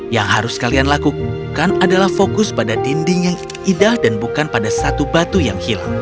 yang harus kalian lakukan adalah fokus pada dinding yang indah dan bukan pada satu batu yang hilang